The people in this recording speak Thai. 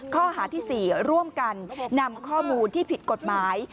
ข้อหาที่๔ร่วมกันนำข้อมูลที่ผิดกฎหมาย